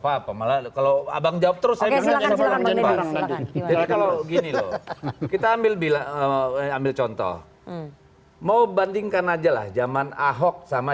apa apa malah kalau abang jawab terus kita ambil ambil contoh mau bandingkan ajalah zaman ahok sama